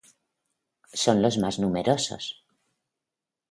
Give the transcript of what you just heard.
Son los más numerosos.